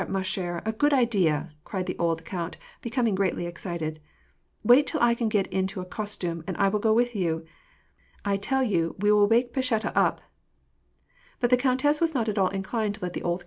ma chere, a good idea!" cried the old count, becom ing greatly excited. " Wait till I can get into a costume and I will go with you. I tell you we will wake Pasheta* up !" But the countess was not at all inclined to let the old count *Diminatiye of Pelagaya.